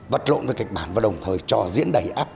vật lộn về kịch bản và đồng thời cho diễn đầy áp